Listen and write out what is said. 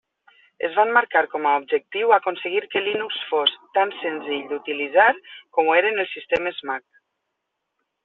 Es van marcar com a objectiu aconseguir que Linux fos tan senzill d'utilitzar com ho eren els sistemes Mac.